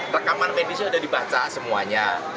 rekaman medisnya sudah dibaca semuanya